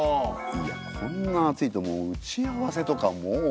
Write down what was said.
いやこんな暑いともう打ち合わせとかもう。